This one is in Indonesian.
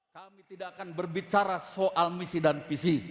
kami tidak akan berbicara soal misi dan visi